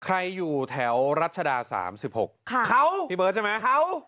ใครอยู่แถวรัชดา๓๖พี่เบิร์ดใช่ไหมเค้าเค้า